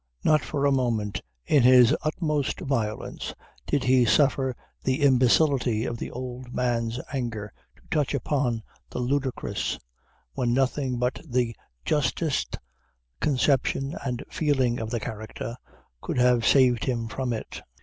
Not for a moment, in his utmost violence, did he suffer the imbecility of the old man's anger to touch upon the ludicrous, when nothing but the justest conception and feeling of the character could have saved him from it.